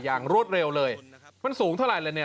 อย่างรวดเร็วเลยมันสูงเท่าไหร่แล้วนี่